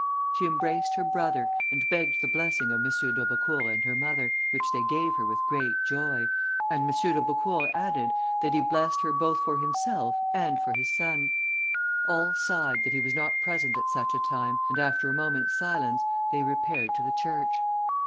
She embraced her brother, and begged the blessing of M. d'Aubecourt and her mother, which they gave her with great joy, and M. d'Aubecourt added, that he blessed her both for himself and for his son. All sighed that he was not present at such a time, and after a moment's silence, they repaired to the church.